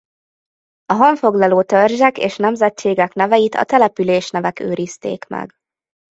A honfoglaló törzsek és nemzetségek neveit a településnevek őrizték meg.